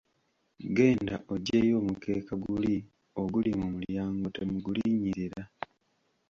Genda oggyewo omukeeka guli oguli mu mulyango temugulinnyirira.